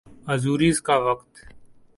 Azores کا وقت